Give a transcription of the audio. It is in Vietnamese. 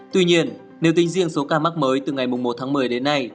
tuy nhiên nếu tính riêng số ca mắc mới từ ngày một tháng một mươi đến nay